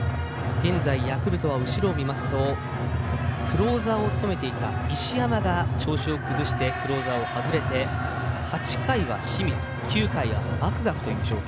現在ヤクルトは後ろを見ますとクローザーを務めていた石山が調子を崩してクローザーを外れて８回は清水９回はマクガフという状況。